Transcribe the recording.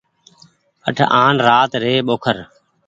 اٺ آن رآت ري ٻوکر۔